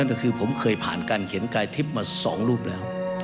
นั่นก็คือผมเคยผ่านการเขียนกายทิพย์มา๒รูปแล้ว